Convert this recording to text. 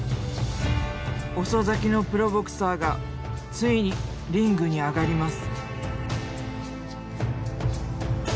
遅咲きのプロボクサーがついにリングに上がります。